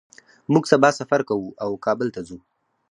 موږ سبا سفر کوو او کابل ته ځو